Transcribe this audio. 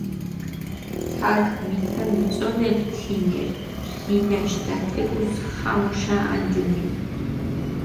თაქ მითა მიწონებჷ თინერი, რინაშ დათებუს ხამუშა ანტინენ.